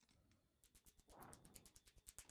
Su fortuna se basó en la tenacidad.